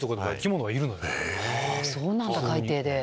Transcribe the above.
そうなんだ海底で。